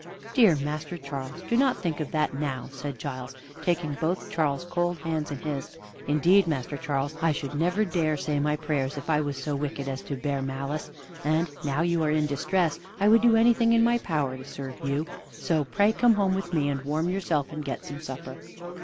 "Dear Master Charles, do not think of that now," said Giles, taking both Charles's cold hands in his. "Indeed, Master Charles, I should never dare say my prayers if I was so wicked as to bear malice; and, now you are in distress, I would do anything in my power to serve you. So pray come home with me, and warm yourself, and get some supper."